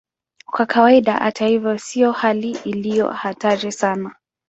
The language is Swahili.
Kwa kawaida, hata hivyo, sio hali iliyo hatari sana.